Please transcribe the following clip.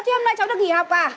thế hôm nay cháu được nghỉ học à